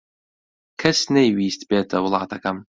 کەس نەیویست بێتە وڵاتەکەم.